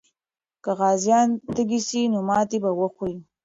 که غازیان تږي سي، نو ماتې به وخوري.